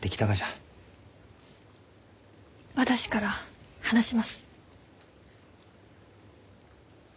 私から話します。